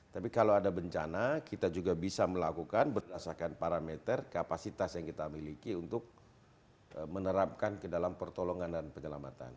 tapi kalau ada bencana kita juga bisa melakukan berdasarkan parameter kapasitas yang kita miliki untuk menerapkan ke dalam pertolongan dan penyelamatan